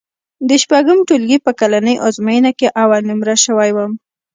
د شپږم ټولګي په کلنۍ ازموینه کې اول نومره شوی وم.